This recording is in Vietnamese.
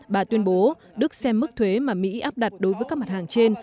bà tuyên bố đức xem mức thuế mà mỹ áp đặt đối với các mặt hàng trên